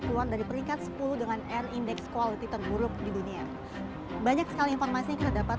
keluar dari peringkat sepuluh dengan r index quality tenuruk di dunia banyak sekali informasi terdapat